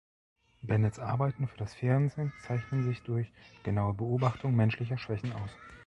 Bennetts Arbeiten für das Fernsehen zeichnen sich durch genaue Beobachtung menschlicher Schwächen aus.